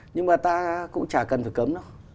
nhưng mà ta cũng chả cần phải cấm đâu